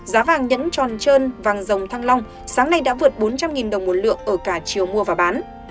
giá vàng nhẫn tròn trơn vàng dòng thăng long sáng nay đã vượt bốn trăm linh đồng một lượng ở cả chiều mua và bán